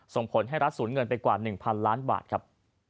ส่งผลให้รัฐสูญเงินไปกว่า๑๐๐ล้านบาทครับ